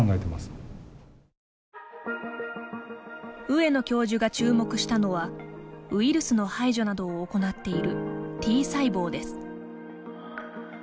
上野教授が注目したのはウイルスの排除などを行っているＴ細胞です。